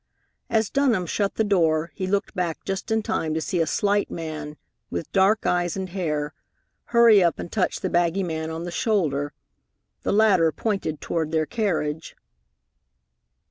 As Dunham shut the door, he looked back just in time to see a slight man, with dark eyes and hair, hurry up and touch the baggy man on the shoulder. The latter pointed toward their carriage.